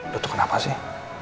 lo tuh kenapa sih